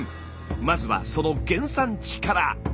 まずはその原産地から。